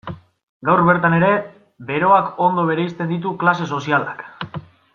Gaur bertan ere beroak ondo bereizten ditu klase sozialak.